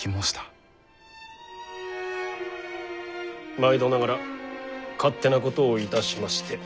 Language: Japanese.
毎度ながら勝手なことをいたしまして。